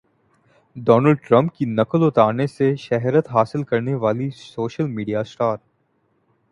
Donald Trump کی نقل اتارنے سے شہرت حاصل کرنے والی سوشل میڈیا اسٹار